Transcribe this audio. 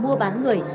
mua bán người